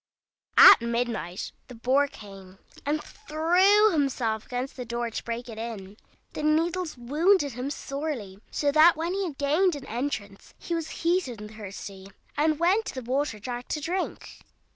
At midnight the Boar came, and threw himself against the door to break it in. The needles wounded him sorely, so that when he had gained an entrance he was heated and thirsty, and went to the water jar to drink.